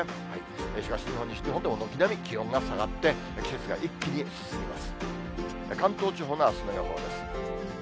東日本、西日本でも軒並み気温が下がって、季節が一気に進みます。